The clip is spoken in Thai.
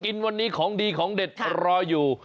วันนี้ของดีของเด็ดรออยู่